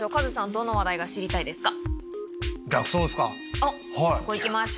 どの話題が知りたいですか？